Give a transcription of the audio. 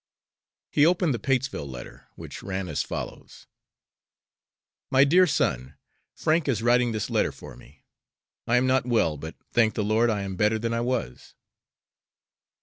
He opened the Patesville letter, which ran as follows: MY DEAR SON, Frank is writing this letter for me. I am not well, but, thank the Lord, I am better than I was.